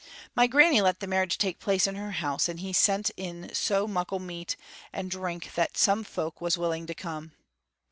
"My granny let the marriage take place in her house, and he sent in so muckle meat and drink that some folk was willing to come.